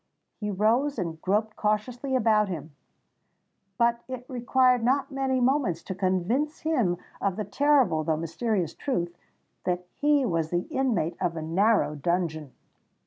He rose and groped cautiously about him;—but it required not many moments to convince him of the terrible though mysterious truth—that he was the inmate of a narrow dungeon!